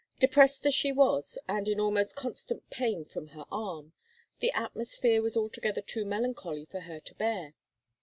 Depressed as she was, and in almost constant pain from her arm, the atmosphere was altogether too melancholy for her to bear.